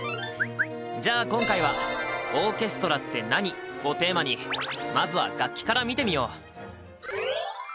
じゃあ今回は「オーケストラって何？」をテーマにまずは楽器から見てみよう！